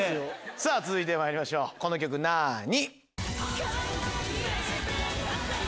さぁ続いてまいりましょうこの曲なに？